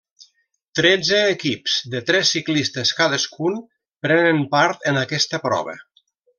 Tretze equips, de tres ciclistes cadascun, prenen part en aquesta prova.